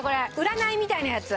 占いみたいなやつ。